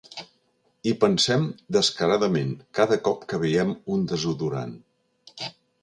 Hi pensem descaradament cada cop que veiem un desodorant.